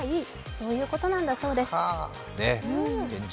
そういうことなんだそうです。